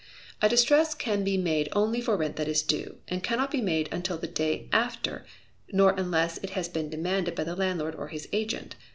A distress can be made only for rent that is due, and cannot be made until the day after, nor unless it has been demanded by the landlord or his agent.